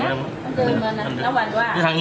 มันจะเจ็บไง